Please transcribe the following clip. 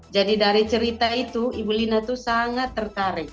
jadi dari cerita itu ibu lina itu sangat tertarik